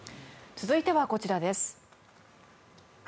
続いてはこちらです。